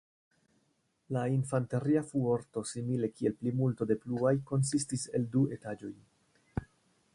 La infanteria fuorto simile kiel plimulto de pluaj konsistis el du etaĝoj.